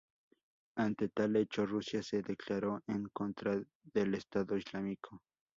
Ante tal hecho, Rusia se declaró en contra del Estado Islámico.